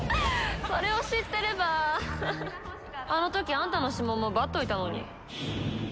それを知ってればあの時あんたの指紋も奪っといたのに。